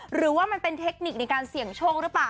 หรือว่ามันเป็นเทคนิคในการเสี่ยงโชคหรือเปล่า